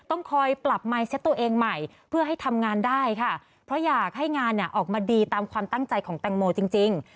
ออกมาดีตามความตั้งใจของแตงโมจริง